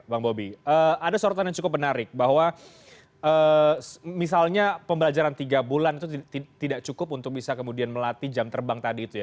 bang bobi ada sorotan yang cukup menarik bahwa misalnya pembelajaran tiga bulan itu tidak cukup untuk bisa kemudian melatih jam terbang tadi itu ya